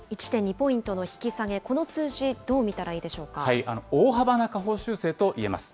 １．２ポイントの引き下げ、この数字、どう見たらいいでしょ大幅な下方修正といえます。